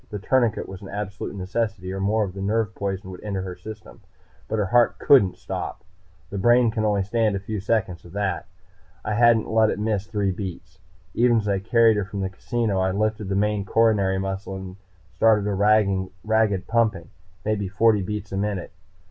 The tourniquet was an absolute necessity, or more of the nerve poison would enter her system. But her heart couldn't stop. The brain can only stand a few seconds of that. I hadn't let it miss three beats. Even as I carried her from the casino, I lifted the main coronary muscle and started a ragged pumping, maybe forty beats a minute.